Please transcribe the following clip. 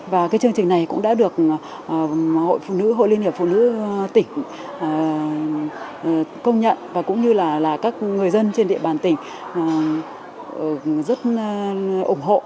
và cái chương trình này cũng đã được hội phụ nữ hội liên hiệp phụ nữ tỉnh công nhận và cũng như là các người dân trên địa bàn tỉnh rất ủng hộ